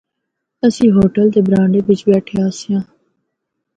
اسیں ہوٹل دے برانڈے بچ بیٹھے آسیاں۔